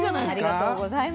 ありがとうございます。